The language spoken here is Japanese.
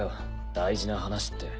大事な話って。